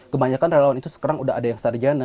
kebanyakan relawan itu sekarang udah ada yang sarjana